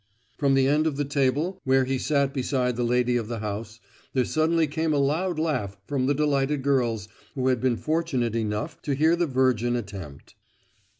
From the end of the table where he sat beside the lady of the house, there suddenly came a loud laugh from the delighted girls who had been fortunate enough to hear the virgin attempt.